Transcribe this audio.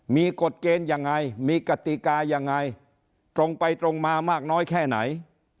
มีกฎเกณฑ์ยังไงมีกติกายังไงตรงไปตรงมามากน้อยแค่ไหน